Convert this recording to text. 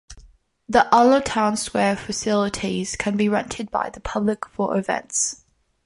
The Olla Town Square facilities can be rented by the public for events.